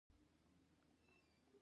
د خلکو هوساینې ته باید پوره غور وشي.